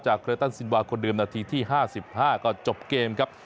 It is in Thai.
เครตันซินวาคนเดิมนาทีที่๕๕ก็จบเกมครับ